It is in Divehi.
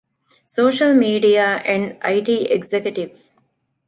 ސޯޝަލްމީޑިއާ އެންޑް އައި.ޓީ އެގްޒެކެޓިވް